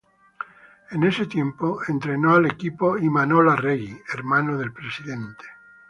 En ese tiempo entrenó al equipo Imanol Arregui, hermano del presidente.